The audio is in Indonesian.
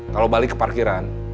kalau balik ke parkiran